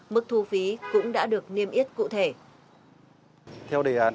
mức thu phí cũng đã được niêm yết cụ thể